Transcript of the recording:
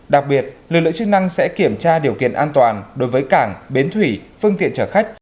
đặc biệt lực lượng chức năng sẽ kiểm tra điều kiện an toàn đối với cảng bến thủy phương tiện chở khách